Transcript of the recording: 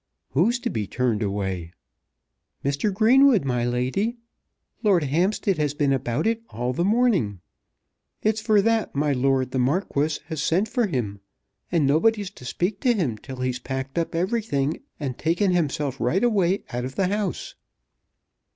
"Who is to be turned away?" "Mr. Greenwood, my lady. Lord Hampstead has been about it all the morning. It's for that my lord the Marquis has sent for him, and nobody's to speak to him till he's packed up everything, and taken himself right away out of the house."